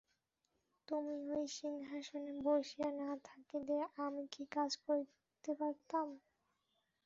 তুমি ওই সিংহাসনে বসিয়া না থাকিলে আমি কি কাজ করিতে পারিতাম!